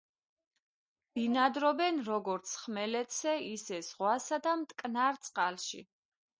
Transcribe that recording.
ბინადრობენ როგორც ხმელეთზე, ისე ზღვასა და მტკნარ წყალში.